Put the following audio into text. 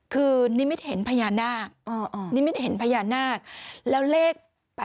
คือนิมิตเห็นพญานาคนิมิตเห็นพญานาคแล้วเลข๘๘